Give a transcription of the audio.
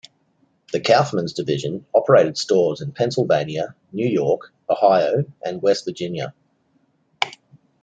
The Kaufmann's division operated stores in Pennsylvania, New York, Ohio and West Virginia.